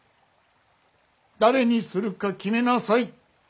誰にするか決めなさい。